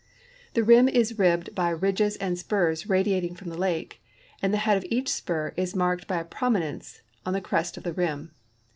The rim is ribbed by ridges and spurs radiating from the lake, and the head of each spur is marked by a i)rominence on the crest of tlie rim.